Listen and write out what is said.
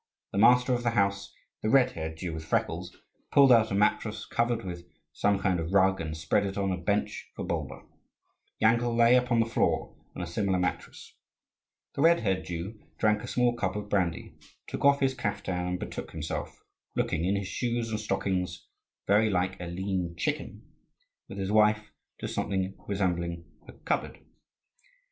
The master of the house, the red haired Jew with freckles, pulled out a mattress covered with some kind of rug, and spread it on a bench for Bulba. Yankel lay upon the floor on a similar mattress. The red haired Jew drank a small cup of brandy, took off his caftan, and betook himself looking, in his shoes and stockings, very like a lean chicken with his wife, to something resembling a cupboard.